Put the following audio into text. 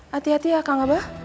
hati hati ya kang abah